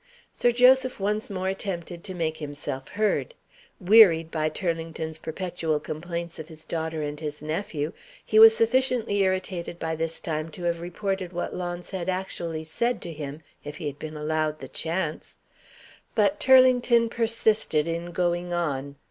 Sir Joseph once more attempted to make himself heard. Wearied by Turlington's perpetual complaints of his daughter and his nephew, he was sufficiently irritated by this time to have reported what Launce had actually said to him if he had been allowed the chance. But Turlington persisted in going on.